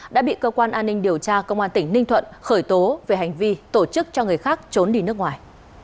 đã bị cơ quan an ninh điều tra công an tỉnh ninh thuận khởi tố về hành vi tổ chức cho người khác trốn đi nước ngoài